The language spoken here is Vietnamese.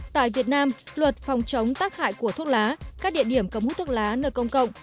tại việt nam luật phòng chống tác hại của thuốc lá các địa điểm cấm hút thuốc lá nơi công cộng